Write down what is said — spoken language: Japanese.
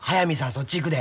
そっち行くで。